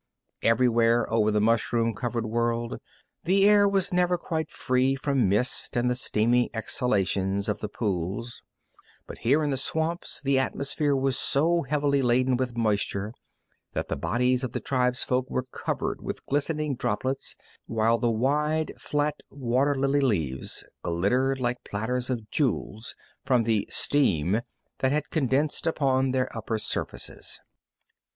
Everywhere over the mushroom covered world the air was never quite free from mist, and the steaming exhalations of the pools, but here in the swamps the atmosphere was so heavily laden with moisture that the bodies of the tribefolk were covered with glistening droplets, while the wide, flat water lily leaves glittered like platters of jewels from the "steam" that had condensed upon their upper surfaces.